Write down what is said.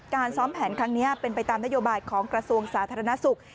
ซ้อมแผนครั้งนี้เป็นไปตามนโยบายของกระทรวงสาธารณสุข